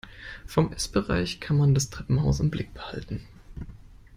Vom Essbereich kann man das Treppenhaus im Blick behalten.